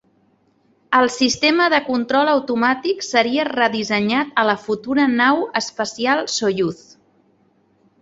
El sistema de control automàtic seria redissenyat a la futura nau espacial Soyuz.